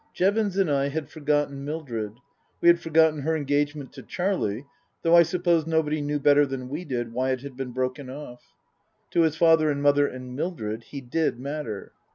'' Jevons and I had forgotten Mildred. We had forgotten her engagement to Charlie, though I suppose nobody knew better than we did why it had been broken off. To his father and mother and Mildred he did matter.